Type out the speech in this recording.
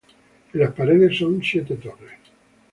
En las paredes son siete torres.